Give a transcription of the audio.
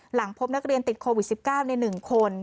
หลังพบนักเรียนติดโควิด๑๙ใน๑คน